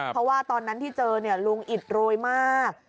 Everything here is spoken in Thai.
เพราะว่าตอนนั้นที่เจอลุงอิดโรยมาก